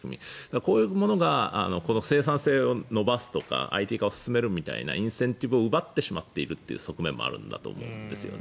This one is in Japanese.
こういうものがこの生産性を伸ばすとかＩＴ化を進めるみたいなインセンティブを奪ってしまっている側面もあるんだと思うんですよね。